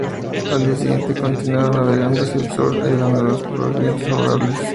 Al día siguiente, continuaron navegando hacia el sur, ayudados por vientos favorables.